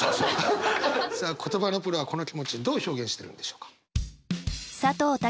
さあ言葉のプロはこの気持ちどう表現してるんでしょうか。